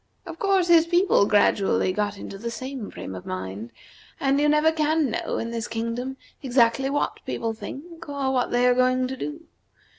Of course, his people gradually got into the same frame of mind, and you never can know in this kingdom exactly what people think or what they are going to do.